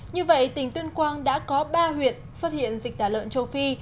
như vậy tỉnh tuyên quang đã có ba huyện xuất hiện dịch tả lợn châu phi